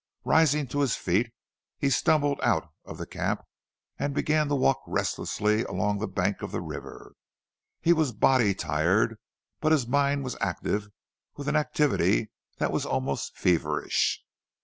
Rising to his feet, he stumbled out of the camp, and began to walk restlessly along the bank of the river. He was body tired, but his mind was active with an activity that was almost feverish.